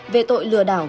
về tội lừa đảo